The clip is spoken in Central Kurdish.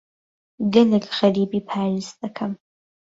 گەلێک غەریبی پاریس دەکەم.